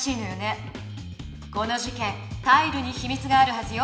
この事けんタイルにひみつがあるはずよ。